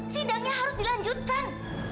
sidangnya harus dilanjutkan